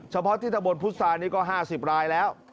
เฉพาะที่ตะบนพุษานี่ก็๕๐รายแล้ว